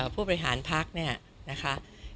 ผู้บริหารพักเนี่ยนะคะ